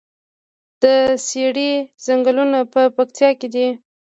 د څیړۍ ځنګلونه په پکتیا کې دي؟